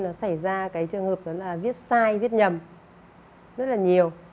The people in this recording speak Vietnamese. nó xảy ra cái trường hợp đó là viết sai viết nhầm rất là nhiều